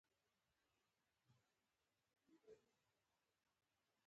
دی لیکي، دی ځي، دی راځي، دوی لیکي او دوی ځي مثالونه دي.